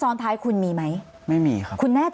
ก็คลิปออกมาแบบนี้เลยว่ามีอาวุธปืนแน่นอน